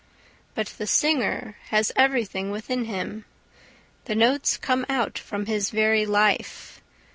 But the singer has everything within him. The notes come out from his very life.